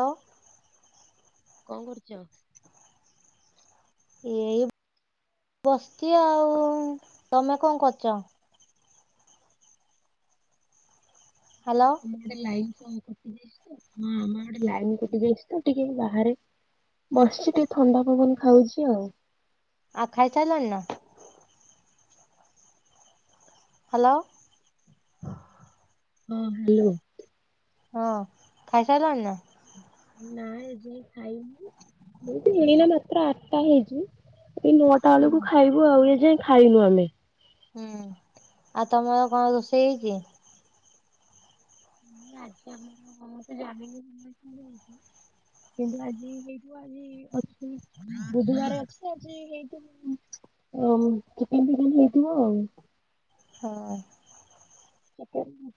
ତୋ କଣ କରୁଛ? ଏଇ ବସିଛି ଆଉ। ତମେ କଣ କରୁଛ? ହ୍ୟାଲୋ ଆମ ଆଡେ ଲାଇନ କଟି ଯାଇଛି ତ। ହଁ ଆମ ଆଡେ ଲାଇନ କଟି ଯାଇଛି ତ ଟିକେ ବାହାରେ ବସିଛି ଟିକେ ଥଣ୍ଡା ପବନ ଖାଉଛି ଆଉ। ଆଉ ଖାଇ ସାଇଲଣି ନା? ହ୍ୟାଲୋ ହଁ ହ୍ୟାଲୋ ହଁ ଖାଇସାରିଲାଣି ନା? ନାଇ ଏ ଯାଇ ଖାଇନି ଏତ ଏଇନା ମାତ୍ର ଆଠଟା ହେଇଛି ଏ ନଅ ଟା ହୁଁ। ବେଳକୁ ଖାଇବୁ ଆଉ ଏ ଯାଏଁ ଖାଇନୁ ଆମେ। ହୁଁ ଆଉ ତମର କଣ ରୋଷେଇ ହେଇଛି? [unintelligible] କିନ୍ତୁ ଆଜି ହେଇଯାଇଥିବ। ଅ ବୁଧବାର ଅଛି ଆଜି ହେଇଥି ଓମ୍ କି ତିନି ଦିନ ହେଇଥିବ ଆଉ ହଁ। କେ [unintelligible]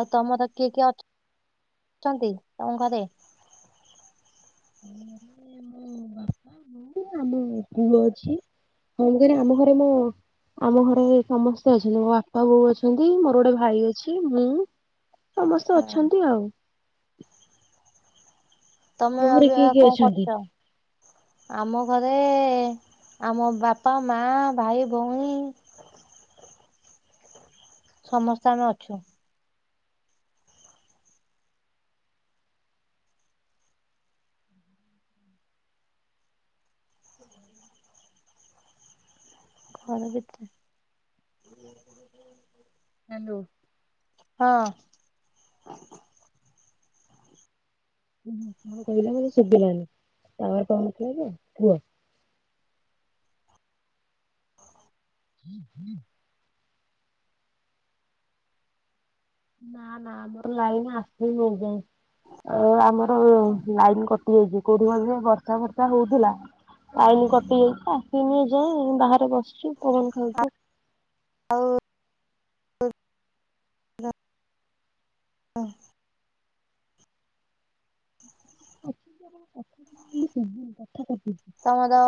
ଆଉ ତମର କିଏ କିଏ ଅଛ ଅଛନ୍ତି ତମ ଘରେ? [inaudible] ମୁ ଆମ ପୁଅ ଅଛି କଁ ମୁ କରେ ଆମ ଘରେ ମୋ ଆମ ଘରେ ସମସ୍ତେ ଅଛନ୍ତି ମୋ ବାପା ବୋଉ ଅଛନ୍ତି ମୋର ଗୋଟେ ଭାଇ ଅଛି ମୁଁ। ସମସ୍ତେ ହଁ ଅଛନ୍ତି ଆଉ। ଆମ ତମେ ଘରେ ଆଜି କିଏ ଆହା କିଏ କଣ ଅଛନ୍ତି? କରୁଛ? ଆମ ଘରେ ଆମ ବାପା, ମା, ଭାଇ, ଭଉଣୀ। ସମସ୍ତେ ଆମେ ଅଛୁ। ଘର କେତେଟା? ହୁ [unintelligible] ହ୍ୟାଲୋ। ହଁ। କଣ କହିଲା ମାନେ ଶୁଭିଲାନି ତାୱର ପାଉଥିଲା ଯେ ପୁଅ ହୁଁ ହୁଁ ନା ନା ଆମର ଲାଇନ ଆସିନି ଏଯାଏଁ ଆଉ ଆମର ଲାଇନ କ [unintelligible] ବର୍ଷା ବର୍ଷା ହୋଉଥିଲା। ଲାଇନ କଟି ଯାଇଚି ଆସିନି ଏଯାଏ ବାହାରେ ବସିଚୁ ପବନ ଖାଉଚୁ। ହଉ ଅଛନ୍ତି ଆପଣଙ୍କ କଥାଟା [unintelligible]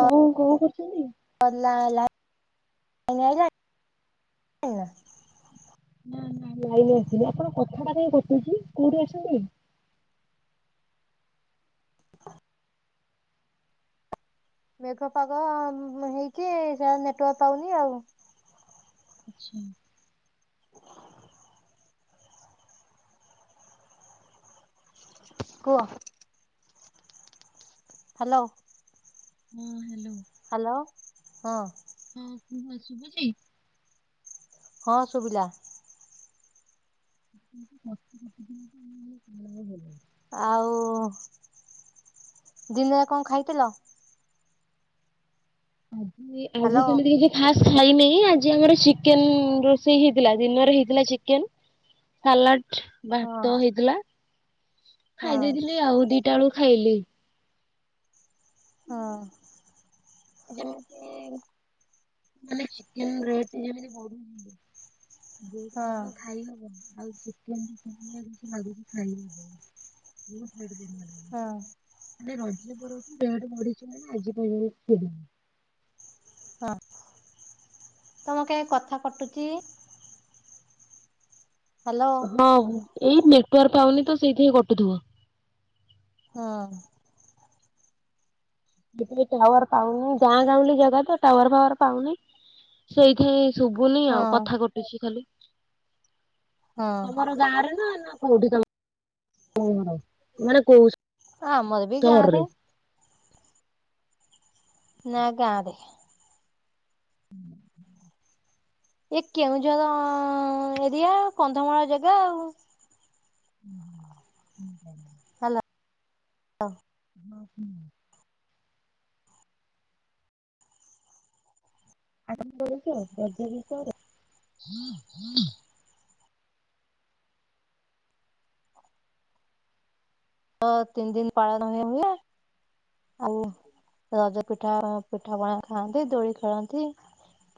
କଣ କଣ କରୁଛନ୍ତି? ନା? ନା ନା ଲାଇନ ଆସିନି ଆପଣଙ୍କ କଥାଟା କାଇଁ କଟୁଚି କୋଉଠି ଅଛନ୍ତି କି? [inaudible] ମେଘ ପାଗ ମ ହେଇକି ସେ ଆଉ ନେଟୱାର୍କ ପାଉନି ଆଉ। ଆଛା। [inaudible] କୁହ। ହ୍ୟାଲୋ। ହୁଁ। ହ୍ୟାଲୋ ହଁ। ହଁ କୁହ ଶୁବୁଚି। ହଁ ଶୁଭିଲା। [unintelligible] ଆଉ ଦିନରେ କଣ ଖାଇଥିଲ। ଆଜି ଆଜି ହ୍ୟାଲୋ। ସେମିତି କିଚ୍ଛି ଖାସ୍ ହେଇନେଇ ଆଜି ଆମର ଚିକେନ ରୋଷେଇ ହେଇଥିଲା ଦିନରେ ହେଇଥିଲା ଚିକେନ ସାଲାଟ ହଁ। ଭାତ ହେଇଥିଲା ହଁ ଖାଇ ଦେଇଥିଲି ଆଉ ଦିଟା ବେଳକୁ ଖାଇଲି। ହଁ। [inaudible] ମାନେ ଚିକେନ ରେଟ୍ ଯେମିତି ବଢୁଚି [inaudible] ହଁ ଆଉ କ ଖାଇ ହବନି। [unintelligible] [unintelligible] ହଁ ମାନେ ରଜ ପର୍ବ ବି [unintelligible] [inaudible] ତମ କାଇଁ କଥା କଟୁଚି। ହ୍ୟାଲୋ ହଁ ଏଇ ନେଟୱାର୍କ ପାଉନି ତ ସେଇଥି ପାଇଁ କଟୁଥିବ। ହଁ। [unintelligible] [inaudible] ଟାୱାର ପାଉନି ଗାଁ ଗାଉଁଲି ଜାଗା ତ ଟାୱାର ଫାୱାର ପାଉନି ସେଇଠି ଶୁଭୁନି ଆଉ ହଁ। କଥା କଟୁଚି ଖାଲି ହଁ ତମର ଗାଁରେ ନା ନା କୋଉଠି ତମେ [unintelligible] ହଁ ଆମର ବି ଗାଁ ରେ। ନା ଗାଁରେ। ହୁଁହୁଁ। ଏ କେଉଁଝର ଏରିଆ କନ୍ଧମାଳ ଜାଗା ଆଉ। [inaudible] ହ୍ୟାଲୋ ହ ହଁ କୁହ। [unintelligible] ଅ ତିନି ଦିିନି ପାଳନ ହ ହୁଏ। ଆଉ ରଜ ପିଠା ପିଠା ପଣା ଖାଆନ୍ତି ଦୋଳି ଖେଳନ୍ତି।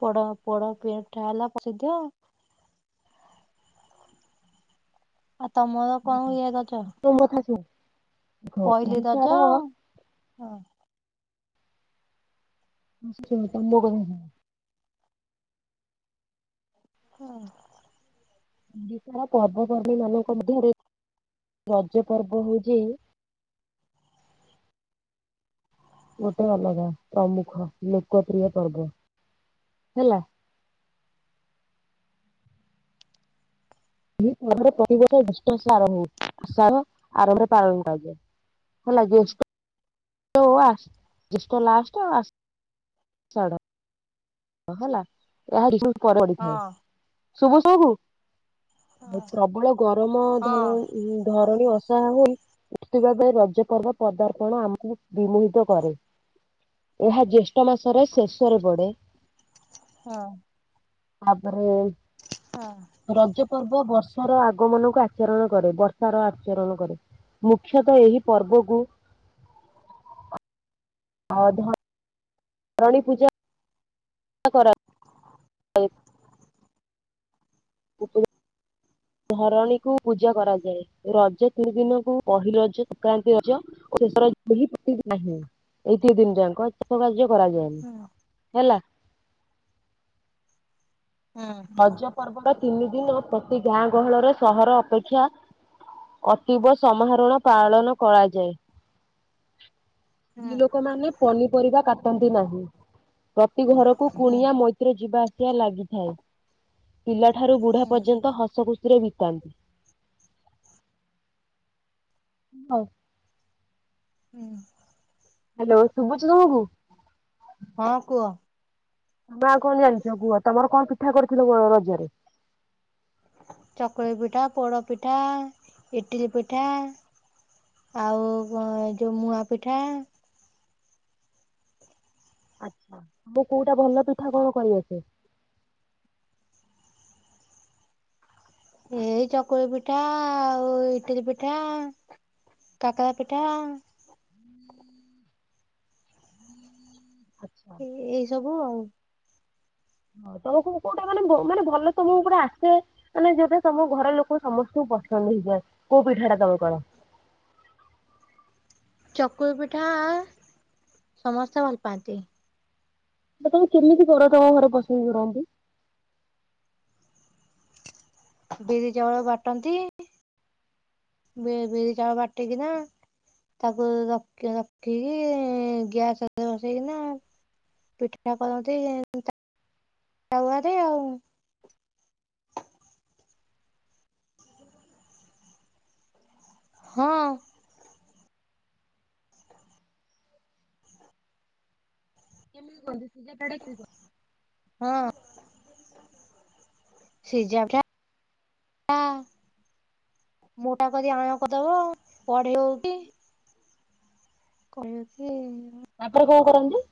ପୋଡ ପୋଡ ପି ଠା ହେଲା ପ୍ରସିଦ୍ଧ। ଆଉ ତମର କଣ ହୁଏ ରଜ। [unintelligible] ପହିଲି ରଜ ହ। [unintelligible] ହଁ। ଓଡିଶାର ପର୍ବପର୍ମୀ ମାନଙ୍କ ମଧ୍ୟରେ ରଜ ପର୍ବ ହଉଛି। ଗୋଟେ ଅଲଗା ପ୍ରମୁଖ ଲୋକପ୍ରିୟ ପର୍ବ ହେଲା। ପର୍ବରେ ପ୍ରତିବର୍ଷ ଦଷ୍ଟ ଆରମ୍ଭ ଆଶା ଆରମ୍ଭରେ ପାଳନ କରାଯାଏ। ହେଲା ଜ୍ୟେଷ୍ଠ ଜ୍ୟେଷ୍ଠ ଲାଷ୍ଟ ଆସ ଶାଢ ହେଲା [unintelligible] ଏ ପରେ ହଁ ପଡିଥାଏ ଶୁଭୁଛି ଆଉ ହଁ ପ୍ରବଳ ଗରମ ହଁ ଧରଣୀ ଅୁ ଉତ୍ସା ହୋଇ ଉଠୁଥିବା ବେଳେ ରଜ ପର୍ବ ପଦାର୍ପଣ ଆମକୁ ବିମୋହିତ କରେ। ଏହା ଜ୍ୟେଷ୍ଠ ମାସରେ ଶେଷରେ ବଡେ। ହଁ। ତାପରେ ହଁ ରଜ ପର୍ବ ବର୍ଷ ର ଆଗମନକୁ ଆଚରଣ କରେ ବର୍ଷ ର ଆଚରଣ କରେ। ମୁଖ୍ୟତଃ ଏହି ପର୍ବକୁ ଆଉ ଧ ରାଣୀ ପୂଜା କର ଆଜ୍ ଆପଣ ଧରଣୀ କୁ ପୂଜା କରାଯାଏ ରଜ ତିନି ଦିନକୁ ପହିଲି ରଜ ସଂକ୍ରାନ୍ତି ରଜ ଷ [unintelligible] ନାହିଁ ଏଇ ତିିନଦିନ ଯାକ ସେଷ କାର୍ଯ୍ୟ କରାଯାଏନି ହେଲା। ହଁ। ରଜ ପର୍ବର ତିନି ଦିନ ପ୍ରତି ଗାଁ ଗହଳରେ ସହର ଅପେକ୍ଷା ଅତୀବ ସମାହରଣ ପାଳନ କରାଯାଏ। [inaudible] ସ୍ତ୍ରୀ ଲୋକମାନୋନେ ପନିପରିବା କାଟନ୍ତି ନାହିଁ ପ୍ରତି ଘରକୁ କୁଣିଆ ମ ଯିବା ଆସିବା ଲାଗିଥାଏ ପିଲା ଠାରୁ ବୁଢା ପର୍ଯ୍ୟନ୍ତ ହସ ଖୁସିରେ ବିତାନ୍ତି। ହଉ। ହୁଁ। ହ୍ୟାଲୋ ଶୁଭୁଚି ତମକୁ। ହଁ କୁହ। ତମେ ଆଉ କଣ ଜାଣିଛ କୁହ ତମର କଣ ପିଠା କରିଥିଲ ରଜରେ। ଚକୁଳି ପିଠା ପୋଡ଼ ପିଠା ଇଟିଲ ପିଠା। ଆଉ କଣ ଯୋଉ ମୁଆ ପିଠା। ଆଛା ତମକୁ କୋଉଟା ଭଲ ପିଠା କଣ କରିଆସେ। ଏଇ ଚକୁଳି ପିଠା ଆଉ ଇଟିଲ ପିଠା। କାକେରା ପିଠା। ଆଚ୍ଛା। ଏଇ ସବୁ ଆଉ। ହ ତମକୁ କୋଉଟା ମାନେ ମାନେ ଭଲ ତମକୁ କୋଉଟା ଆସେ। ମାନେ ଯୋଉଟା ତମ ଘର ଲୋକ ସମସ୍ତଙ୍କୁ ପସନ୍ଦ ହେଇଯାଏ କୋଉ ପିଠା ଟା ତମେ କର। ଚକୁଳି ପିଠା ସମସ୍ତେ ଭଲ ପାଆନ୍ତି। ତମେ କେମିତି କର ତମ ଘରେ ପସନ୍ଦି କରନ୍ତି। ବିରି ଚାଉଳ ବାଟନ୍ତି ବି ବିରି ଚାଉଳ ବାଟିକିନା। ତାକୁ ରଖିକି ଗ୍ୟାସରେ ବସେଇକିନା। ପିଠା କରନ୍ତି ତାୱାରେ ଆଉ। ହ ହଁ [inaudible] ହଁ। ସେଇ [inaudible] ମୁଁ ଟା କରିି ଆଣ କରିଦବ ପଢି ହଉ କି। କହିବ କି? ତାପରେ କଣ କରନ୍ତି।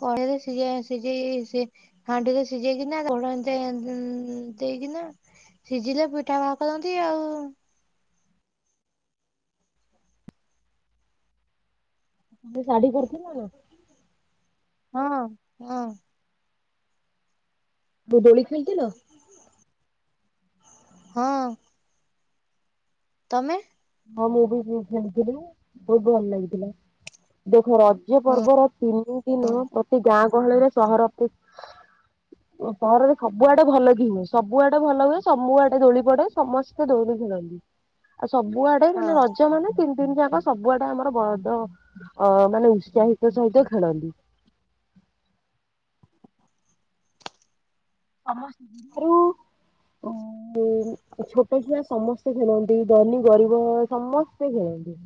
କଡେଇ ରେ ସିଝ ସିଝେଇ ସି ହାଣ୍ଡିରେ ସିଝେଇକିନା ଦଡ ଏ ଦେଇକିନା। ସିଝିଲେ ପିଠା ବାହାର କରନ୍ତି ଆଉ। ସେ ସାଢି କୁର୍ତି ନବ। ହଁ ହଁ ଦୋଳି ଖେଳିଥିଲ। ହଁ। ତମେ? ହଁ ମୁଁ ବି [inaudible] ବହୁତ ଭଲ ଲାଗିଥିଲା ଦେଖ ରଜ ହଁ ପର୍ବର ତିନି ଦିନ ପ୍ରତି ଗାଁ ଗହଳିରେ ସହର ଅପେ ସହରରେ ସବୁଆଡେ ଭଲ କି ହୁଏ ସବୁଆଡେ ଭଲ ହୁଏ। ସବୁ ଆଡେ ଦୋଳି ପଡେ ସମସ୍ତେ ଦୋଳି ଖେଳନ୍ତି ଆଉ ସବୁଆଡେ ହଁ ମାନେ ରଜ ମାନେ ତିନି ତିନି ଯାକ ସବୁଆଡେ ଆମର ବଡ ଅ ମାନେ ଉତ୍ସାହିତ ସହିତ ଖେଳନ୍ତି। ଆମାରୁ ଉ ଛୋଟ ଛୁଆ। ସମସ୍ତେ ଖେଳନ୍ତି, ଧନୀ ଗରିବ ସମସ୍ତେ ଖେଳନ୍ତି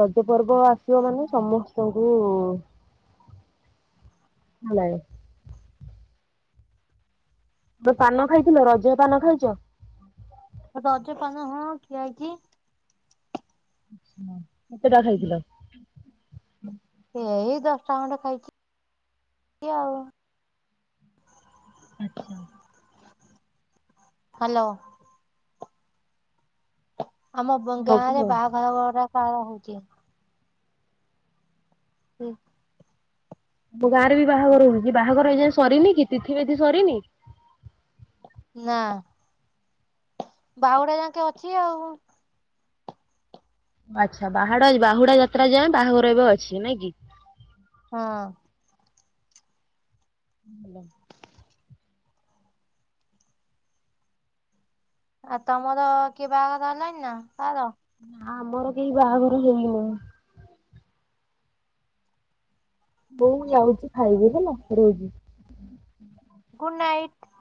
ରଜ ପର୍ବ ଆସ ଝିଅ ମାନେ ସମସ୍ତଙ୍କୁ ଲାଏ। ତ ପାନ ଖାଇଥିଲ ରଜ ପାନ ଖାଇଛ? ଉ ରଜପାନ ହଁ ଖିଆ ହେଇଚି। କେତେ ଟା ଖାଇଥିଲ? ସେ ଏଇ ଦଶଟା ଖଣ୍ଡେ ଖାଇଛିି ଆଉ ଆଛା। ହ୍ୟାଲୋ ଆମ ହଁ ଗାଁ କୁହ ରେ ଆମ ବାହାଘର କାର ହଉଛି। ହୁଁ ମୋ ଗାଁରେ ବି ବାହାଘର ହଉଛି ବାହାଘର ହେଇଯାଏ ସରିନି କି ତିଥିମତି ସରିନି। ନା ବାଉଡା ଯାକେ ଅଛି ଆଉ। ଆଚ୍ଛା ବାହା ବାହୁଡା ଯାତ୍ରା ଯାଏ ବାହାଘର ଏବେ ଅଛି ନାଇଁ କି। ହଁ [inaudible] ଆଉ ତମର କିଏ ବାହାଘର ହେଲଣିି ନା କାର। ନା ଆମର କେହି ବାହାଘର ହେଇନୋଉ। ମୁ ଯାଉଛି ଖାଇବି ହେଲା ରହିଲି। Good night.